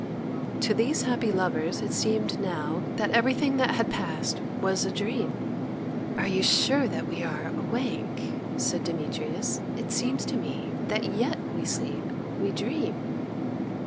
To these happy lovers it seemed now that everything that had passed was a dream. "Are you sure that we are awake?" said Demetrius. "It seems to me that yet we sleep, we dream."